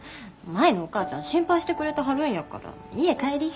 舞のお母ちゃん心配してくれてはるんやから家帰り。